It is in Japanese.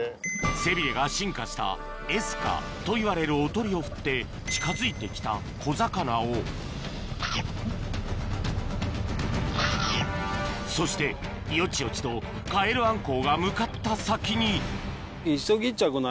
背ビレが進化したエスカといわれるおとりを振って近づいて来た小魚をそしてヨチヨチとカエルアンコウが向かった先にこの辺。